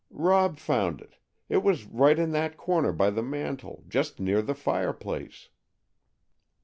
"Rob found it. It was right in that corner by the mantel, just near the fireplace."